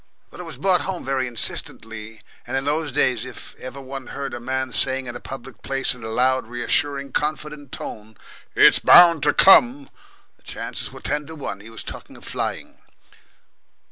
But it was brought home very insistently, and in those days if, ever one heard a man saying in a public place in a loud, reassuring, confident tone, "It's bound to come," the chances were ten to one he was talking of flying.